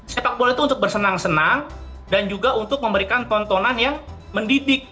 sepak bola itu untuk bersenang senang dan juga untuk memberikan tontonan yang mendidik